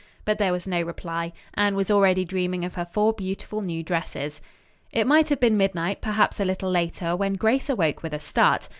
But there was no reply. Anne was already dreaming of her four beautiful new dresses. It might have been midnight, perhaps a little later when Grace awoke with a start.